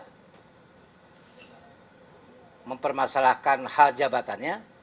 tidak mempermasalahkan hal jabatannya